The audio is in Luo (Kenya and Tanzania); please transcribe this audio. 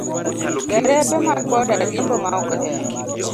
Derepe mag boda riembo ma ok odewo.